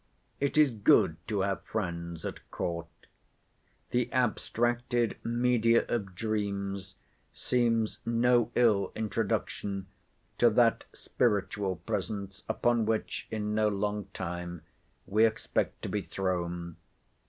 It is good to have friends at court. The abstracted media of dreams seem no ill introduction to that spiritual presence, upon which, in no long time, we expect to be thrown.